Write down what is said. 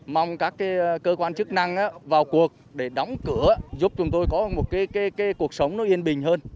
mong các cơ quan chức năng vào cuộc để đóng cửa giúp chúng tôi có một cuộc sống yên bình hơn